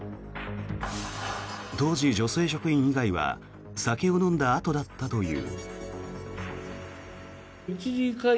当時、女性職員以外は酒を飲んだあとだったという。